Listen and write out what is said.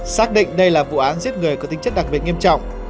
xác định đây là vụ án giết người có tính chất đặc biệt nghiêm trọng